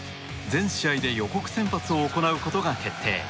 全試合で予告先発を行うことが決定。